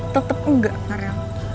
tetep enggak pak rang